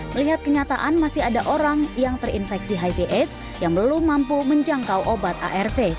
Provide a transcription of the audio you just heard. melihat kenyataan masih ada orang yang terinfeksi hiv aids yang belum mampu menjangkau obat arv